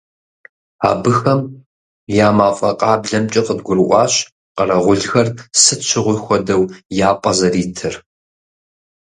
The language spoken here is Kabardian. Абыхэм я мафӀэ къаблэмкӀэ къыдгурыӀуащ къэрэгъулхэр, сыт щыгъуи хуэдэу, я пӀэ зэритыр.